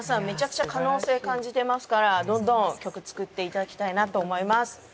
めちゃくちゃ可能性感じてますからどんどん曲作っていただきたいなと思います。